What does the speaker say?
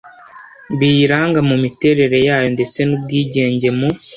biyiranga mu miterere yayo ndetse n ubwigenge mu